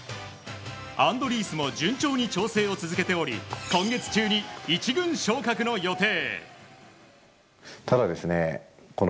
アンドリースも順調に調整を続けており今月中に１軍昇格の予定。